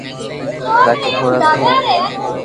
باقي ٿوڙا تو ھي